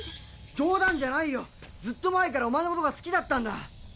冗談じゃないよずっと前からお前のことが好きだったんだ。